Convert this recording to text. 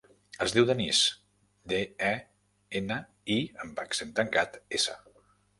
Es diu Denís: de, e, ena, i amb accent tancat, essa.